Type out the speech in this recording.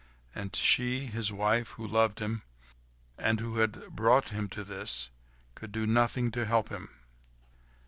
And she, his wife, who loved him, and who had brought him to this, could do nothing to help him.